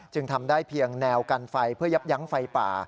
ทำได้เพียงแนวกันไฟเพื่อยับยั้งไฟป่า